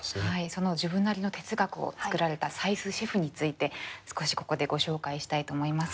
その自分なりの哲学を作られた斉須シェフについて少しここでご紹介したいと思います。